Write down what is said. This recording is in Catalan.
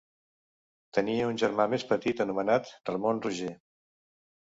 Tenia un germà més petit anomenat Ramon Roger.